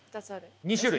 ２種類。